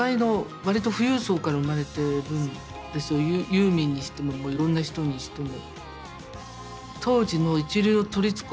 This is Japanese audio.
ユーミンにしてももういろんな人にしても。